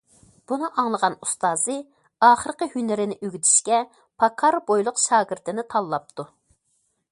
بۇنى ئاڭلىغان ئۇستازى ئاخىرقى ھۈنىرىنى ئۆگىتىشكە پاكار بويلۇق شاگىرتىنى تاللاپتۇ.